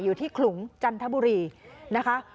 อยู่ที่ขลุงจันทบุรีนะคะ